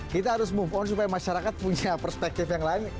kita harus move on supaya masyarakat punya perspektif yang lain